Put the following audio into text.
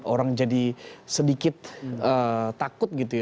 orang jadi sedikit takut gitu ya